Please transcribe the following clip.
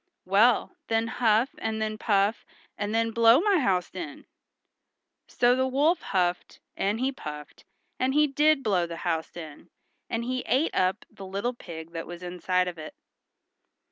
"Well, then huff, and then puff, and then blow my house in." So the wolf huffed, and he puffed, and he did blow the house in, and he ate up the little pig that was inside of it.